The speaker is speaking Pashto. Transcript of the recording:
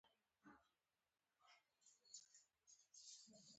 رئیس جمهور خپلو عسکرو ته امر وکړ؛ پاک!